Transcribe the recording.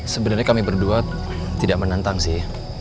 sebenarnya kami berdua tidak menantang sih